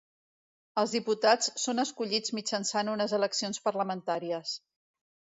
Els diputats són escollits mitjançant unes eleccions parlamentàries.